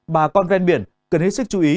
bà con ven biển cần hết sức chú ý